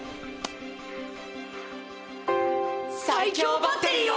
最強バッテリーを！